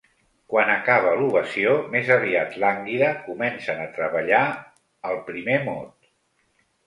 Quan acaba l'ovació, més aviat lànguida, comencen a treballar el primer mot.